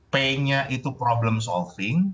pay nya itu problem solving